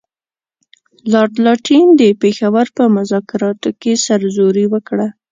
لارډ لیټن د پېښور په مذاکراتو کې سرزوري وکړه.